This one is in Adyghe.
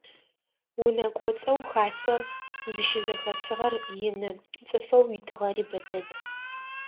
Унэ кӏоцӏэу хасэр зыщызэхэсыгъэр ины, цӏыфэу итыгъэри бэ дэд.